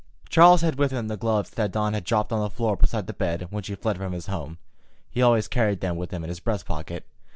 Charles had with him the gloves that Dawn had dropped on the floor beside the bed when she fled from his home. He always carried them with him in his breast pocket.